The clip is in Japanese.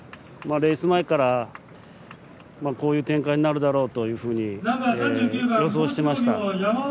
レース前からこういう展開になるだろうと予想してました。